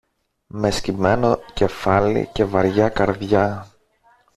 Με σκυμμένο κεφάλι και βαριά καρδιά